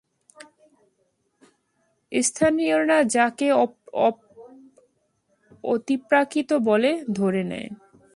স্থানীয়রা যাকে অতিপ্রাকৃত বলে ধরে নেয়।